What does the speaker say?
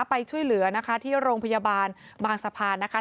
ไปช่วยเหลือนะคะที่โรงพยาบาลบางสะพานนะคะ